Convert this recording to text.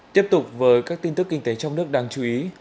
tiếp tục với các tin tức kinh tế trong nước đáng chú ý